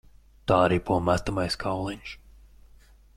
Tā ripo metamais kauliņš.